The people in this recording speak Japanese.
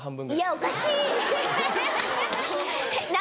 おかしい！何？